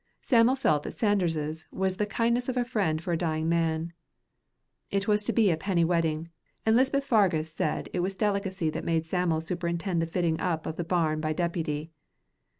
Sam'l felt that Sanders's was the kindness of a friend for a dying man. It was to be a penny wedding, and Lisbeth Fargus said it was delicacy that made Sam'l superintend the fitting up of the barn by deputy.